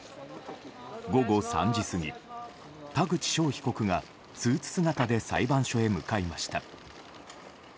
午後３時過ぎ、田口翔被告がスーツ姿で裁判所へ向かいました。